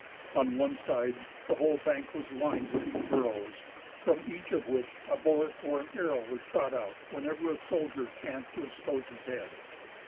On one side, the whole bank was lined with these burrows, from each of which a bullet or an arrow was shot out whenever a soldier chanced to expose his head.